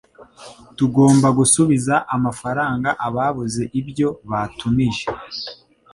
tugomba gusubiza amafaranga ababuze ibyo batumije .